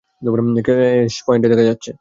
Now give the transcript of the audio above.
ক্যাশপয়েন্টে দেখা হচ্ছে।